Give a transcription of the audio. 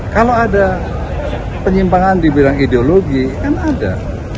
kalau ada penyimpangan di bidang ideologi kan ada